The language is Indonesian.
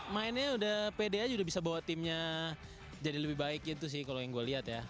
mainnya udah pede aja udah bisa bawa timnya jadi lebih baik gitu sih kalau yang gue lihat ya